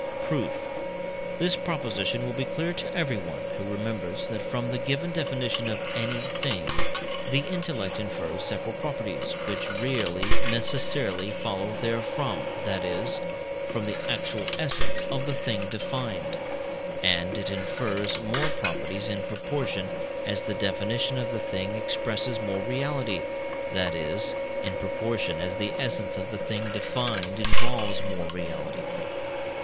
Proof. This proposition will be clear to everyone, who remembers that from the given definition of any thing the intellect infers several properties, which really necessarily follow therefrom (that is, from the actual essence of the thing defined); and it infers more properties in proportion as the definition of the thing expresses more reality, that is, in proportion as the essence of the thing defined involves more reality.